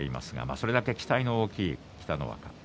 それだけ期待の大きい北の若。